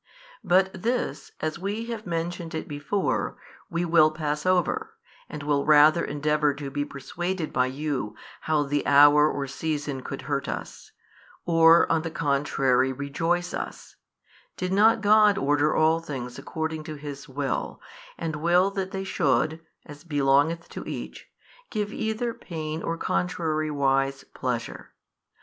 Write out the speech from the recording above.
But this, as we have mentioned it before, we will pass over, and will rather endeavour to be persuaded by you, how the hour or season could hurt us, or on the contrary rejoice us, did not God order all things according to His will, and will that they should, as belongeth to each, give either pain or contrariwise pleasure?